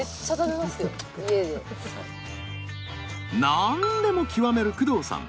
何でもきわめる工藤さん。